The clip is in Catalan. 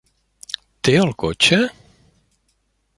Té el cotxe?